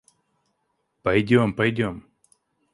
Пойдем, пойдем!